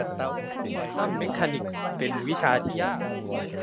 ควอนตัมเมคานิคส์ เป็นวิชาที่ยาก